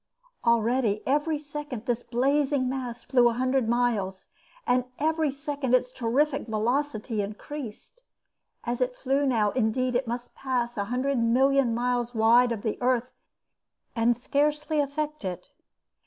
Already every second this blazing mass flew a hundred miles, and every second its terrific velocity increased. As it flew now, indeed, it must pass a hundred million of miles wide of the earth and scarcely affect it.